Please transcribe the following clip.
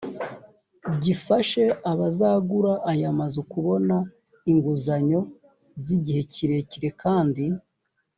gifashe abazagura aya mazu kubona inguzanyo z igihe kirekire kandi